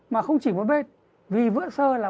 mà không chỉ một bên vì vữa sơ là